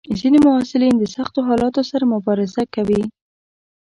ځینې محصلین د سختو حالاتو سره مبارزه کوي.